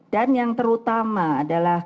dan yang terutama adalah